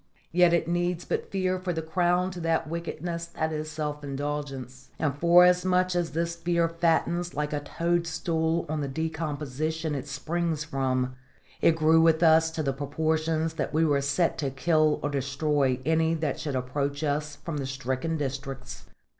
Yet it needs but fear for the crown to that wickedness that is self indulgence; and forasmuch as this fear fattens like a toadstool on the decomposition it springs from, it grew with us to the proportions that we were set to kill or destroy any that should approach us from the stricken districts.